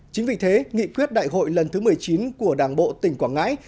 chính vì thế nghị quyết đại hội lần thứ một mươi chín của đảng bộ tỉnh quảng ngãi